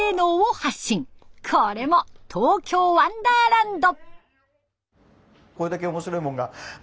これも「東京ワンダーランド」。